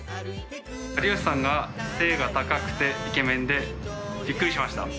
有吉さんが背が高くてイケメンでびっくりしました。